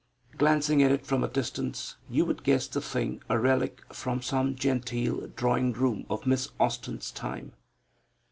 Glancing at it from a distance, you would guess the thing a relic from some "genteel" drawing room of Miss Austen's time.